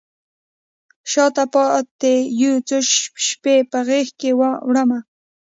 شاته پاته یو څو شپې په غیږکې وړمه